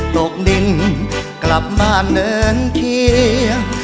ตกดินกลับบ้านเนินเคียง